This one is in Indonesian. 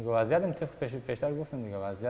bahwa keadaan saya seperti ayah saya adalah baik